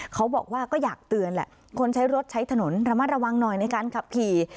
เขาบอกว่าก็อยากเตือนแหละคนใช้รถใช้ถนนระมัดระวังหน่อยในการขับขี่